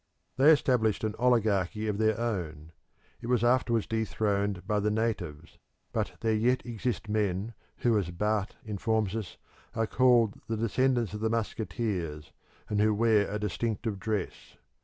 They established an oligarchy of their own; it was afterwards dethroned by the natives, but there yet exist men who, as Barth informs us, are called the descendants of the musketeers and who wear a distinctive dress.